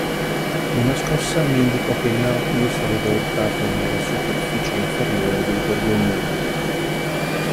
Una scossa mi indicò che il Nautilus aveva urtato nella superficie inferiore dei borgognoni.